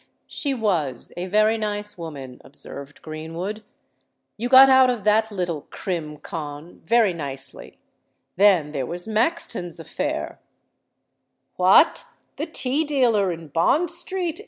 "She was—a very nice woman," observed Greenwood. "You got out of that little crim. con. very nicely. Then there was Maxton's affair——" "What! the tea dealer in Bond Street!"